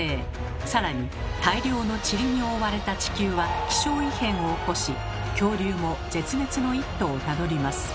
更に大量のちりに覆われた地球は気象異変を起こし恐竜も絶滅の一途をたどります。